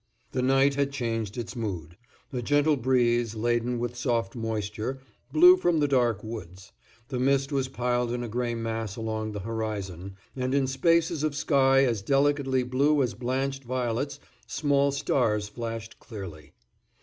The night had changed its mood. A gentle breeze, laden with soft moisture, blew from the dark woods; the mist was piled in a gray mass along the horizon; and in spaces of sky as delicately blue as blanched violets, small stars flashed clearly.